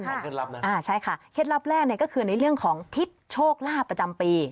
เคล็ดลับนะอ่าใช่ค่ะเคล็ดลับแรกเนี่ยก็คือในเรื่องของทิศโชคลาภประจำปี